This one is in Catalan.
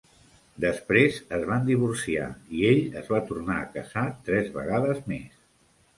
Després es van divorciar i ell es va tornar a casa tres vegades més.